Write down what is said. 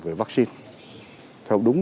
về vaccine theo đúng